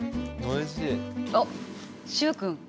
おっ習君！